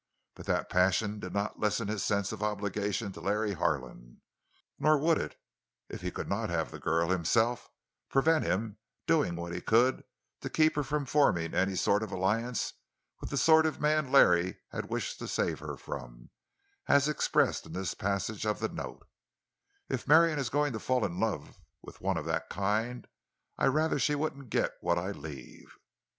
But that passion did not lessen his sense of obligation to Larry Harlan. Nor would it—if he could not have the girl himself—prevent him doing what he could to keep her from forming any sort of an alliance with the sort of man Larry had wished to save her from, as expressed in this passage of the note: "If Marion is going to fall in with one of that kind, I'd rather she wouldn't get what I leave."